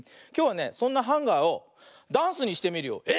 きょうはねそんなハンガーをダンスにしてみるよ。